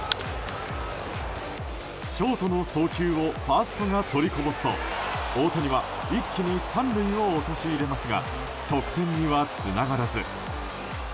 ショートの送球をファーストがとりこぼすと大谷は、一気に３塁を陥れますが得点にはつながらず。